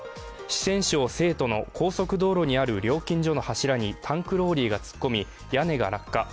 四川省成都の高速道路にある料金所の柱にタンクローリーが突っ込み、屋根が落下。